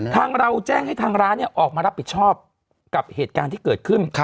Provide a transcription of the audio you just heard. ทางเราแจ้งให้ทางร้านออกมารับผิดชอบกับเหตุการณ์ที่เกิดขึ้น